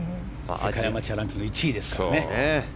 アマチュアランキング１位ですからね。